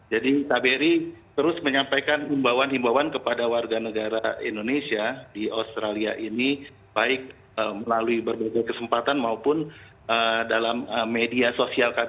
jadi kbr terus menyampaikan imbauan imbauan kepada warga negara indonesia di australia ini baik melalui berbagai kesempatan maupun dalam media sosial kbr